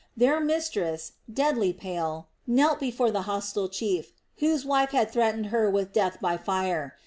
Their mistress, deadly pale, knelt before the hostile chief whose wife had threatened her with death by fire.